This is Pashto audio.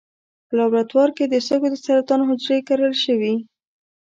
په لابراتوار کې د سږو د سرطان حجرې کرل شوي.